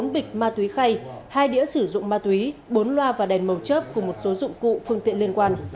bốn bịch ma túy khay hai đĩa sử dụng ma túy bốn loa và đèn màu chớp cùng một số dụng cụ phương tiện liên quan